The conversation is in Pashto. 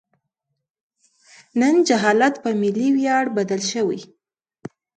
نن جهالت په ملي ویاړ بدل شوی.